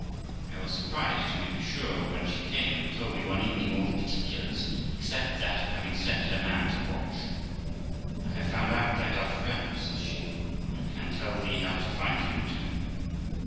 I was surprised, you may be sure, when she came and told me one evening all the particulars, except that of having set her man to watch. 'I have found out thy Dutch friend', says she, 'and can tell thee how to find him too.'